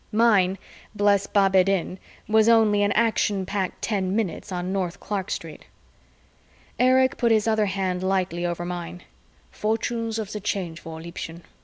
Mine, bless Bab ed Din, was only an action packed ten minutes on North Clark Street. Erich put his other hand lightly over mine. "Fortunes of the Change War, Liebchen.